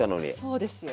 そうですよ。